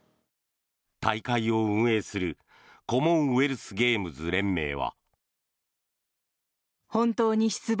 大会を運営するコモンウェルスゲームズ連盟は。